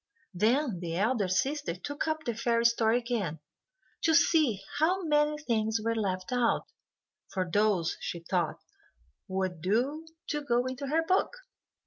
Then the elder sister took up the fairy story again, to see how many things were left out, for those, she thought, would do to go into her book.